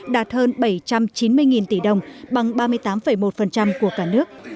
đạt hơn bảy trăm chín mươi tỷ đồng bằng ba mươi tám một của cả nước